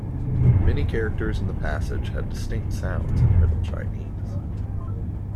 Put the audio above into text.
Many characters in the passage had distinct sounds in Middle Chinese.